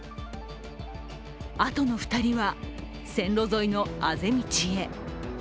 あとの２人は線路沿いのあぜ道へ。